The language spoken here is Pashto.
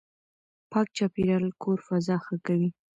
پاک چاپېريال کور فضا ښه کوي.